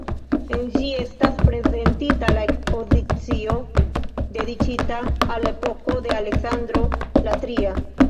En ĝi estas prezentita la ekspozicio, dediĉita al la epoko de Aleksandro la Tria.